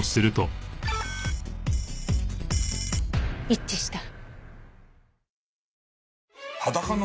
一致した。